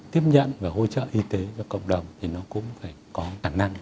tiếp nhận và hỗ trợ y tế cho cộng đồng thì nó cũng phải có khả năng